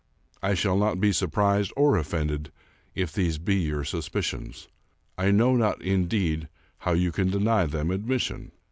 I shall not be surprised or offended if these be your suspicions. I know not, indeed, how you can deny them admission.